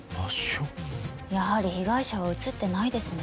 やはり被害者は映ってないですね。